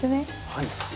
はい。